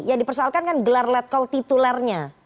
yang dipersoalkan kan gelar let call titulernya